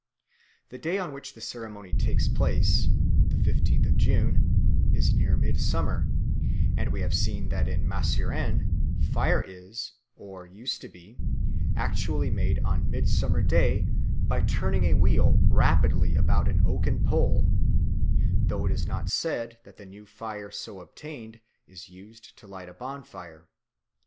The day on which the ceremony takes place (the fifteenth of June) is near midsummer; and we have seen that in Masuren fire is, or used to be, actually made on Midsummer Day by turning a wheel rapidly about an oaken pole, though it is not said that the new fire so obtained is used to light a bonfire.